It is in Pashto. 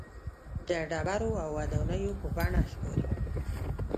د ډبرو او ودانیو په بڼه ښکاري.